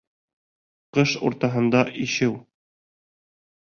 Ҡыш уртаһында ишеү.